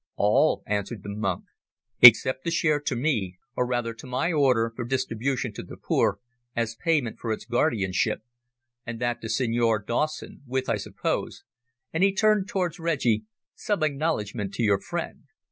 "All," answered the monk, "except the share to me, or rather to my Order, for distribution to the poor, as payment for its guardianship, and that to the Signor Dawson with, I suppose," and he turned towards Reggie, "some acknowledgment to your friend.